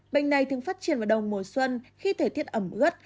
bệnh này thường phát triển vào đầu mùa xuân khi thể tiết ẩm gất